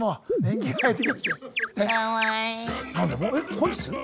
本日？